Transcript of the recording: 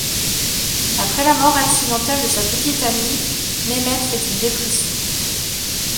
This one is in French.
Après la mort accidentelle de sa petite amie, Mehmet fait une dépression.